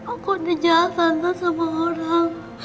aku udah jahat tante sama orang